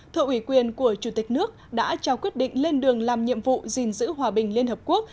thợ ủy quyền của chủ tịch nước đã trao quyết định lên đường làm nhiệm vụ gìn giữ hòa bình liên hợp quốc